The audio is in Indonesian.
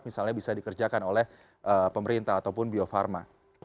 misalnya bisa dikerjakan oleh pemerintah ataupun biofarma